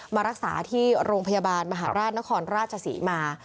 มารักษาที่โรงพยาบาลมหาราชนครราชศรีมา